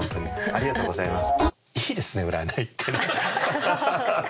ありがとうございます。